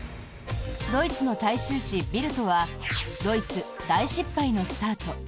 ドイツの大衆紙ビルトはドイツ、大失敗のスタート。